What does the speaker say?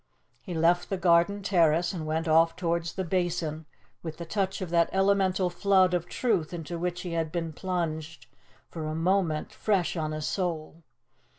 He left the garden terrace and went off towards the Basin, with the touch of that elemental flood of truth into which he had been plunged for a moment fresh on his soul.